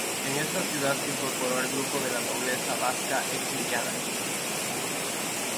En esta ciudad se incorporó al grupo de la nobleza vasca exiliada.